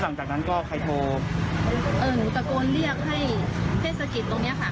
แล้วก็ตรงนั้นก็คือชาวบ้านเขาก็ช่วยกัน